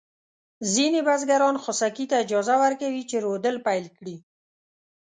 ځینې بزګران خوسکي ته اجازه ورکوي چې رودل پيل کړي.